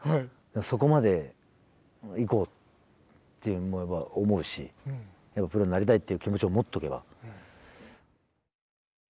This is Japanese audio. そこまでいこうって思いは思うしプロになりたいっていう気持ちを持っておけば。